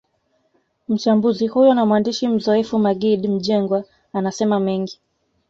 Mchambuzi huyo na mwandishi mzoefu Maggid Mjengwa anasema mengi